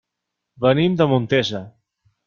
Venim de Montesa.